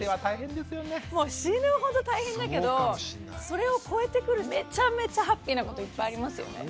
それを超えてくるめちゃめちゃハッピーなこといっぱいありますよね。